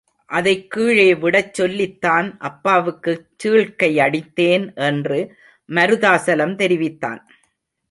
அதைக் கீழே விடச் சொல்லித்தான் அப்பாவுக்குச் சீழ்க்கையடித்தேன் என்று மருதாசலம் தெரிவித்தான்.